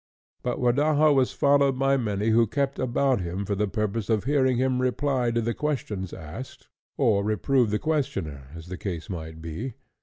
But Rodaja was followed by many who kept about him for the purpose of hearing him reply to the questions asked, or reprove the questioner, as the case might be.